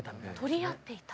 取り合っていた？